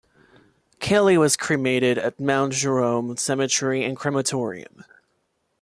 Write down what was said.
Kelly was cremated at Mount Jerome Cemetery and Crematorium.